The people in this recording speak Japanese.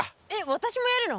私もやるの？